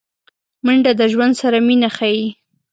منډه د ژوند سره مینه ښيي